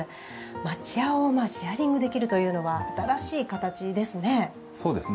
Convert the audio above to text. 町家をシェアリングできるというのはそうですね。